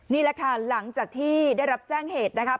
นี่แหละค่ะหลังจากที่ได้รับแจ้งเหตุนะครับ